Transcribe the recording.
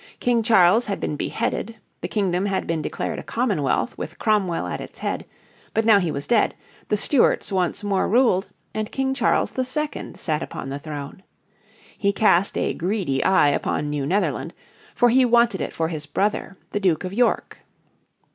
King Charles had been beheaded, the kingdom had been declared a Commonwealth with Cromwell at its head, but he was now dead, the Stuarts once more ruled, and King Charles II sat upon the throne. He cast a greedy eye upon New Netherland, for he wanted it for his brother, the Duke of York.